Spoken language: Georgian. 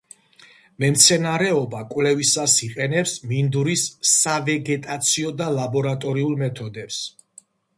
მემცენარეობა კვლევისას იყენებს მინდვრის სავეგეტაციო და ლაბორატორიულ მეთოდებს.